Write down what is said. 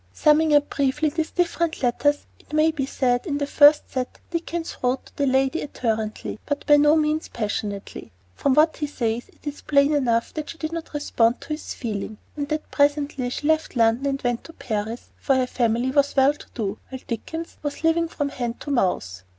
Summing up briefly these different letters, it may be said that in the first set Dickens wrote to the lady ardently, but by no means passionately. From what he says it is plain enough that she did not respond to his feeling, and that presently she left London and went to Paris, for her family was well to do, while Dickens was living from hand to mouth.